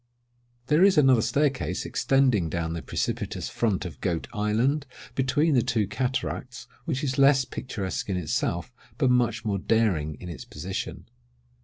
There is another staircase extending down the precipitous front of Goat Island, between the two cataracts, which is less picturesque in itself, but much more daring in its position.